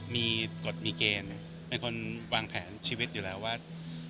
มีกฎมีเกณฑ์เป็นคนวางแผนชีวิตอยู่แล้วว่า